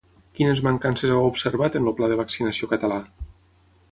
Quines mancances heu observat en el pla de vaccinació català?